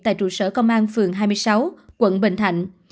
tại trụ sở công an phường hai mươi sáu quận bình thạnh